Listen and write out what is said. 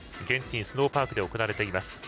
ゲンティンスノーパークで行われています。